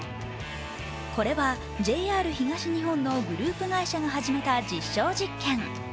これはＪＲ東日本のグループ会社が始めた実証実験。